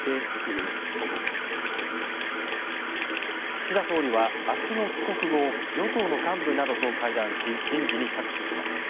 岸田総理は明日の帰国後与党の幹部などと会談し人事に着手します。